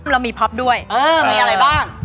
เรามีพ็อปด้วยมีอะไรบ้าง